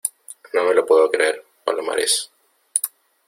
no me lo puedo creer, Palomares.